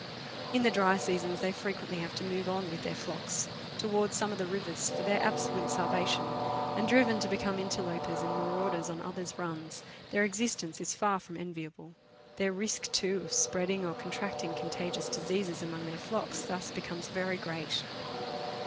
In the dry seasons, they frequently have to move on with their flocks towards some of the rivers for their absolute salvation, and, driven to become interlopers and marauders on others' runs, their existence is far from enviable ; their risk, too, of spreading or con tracting contagious diseases among their flocks thus becomes very great.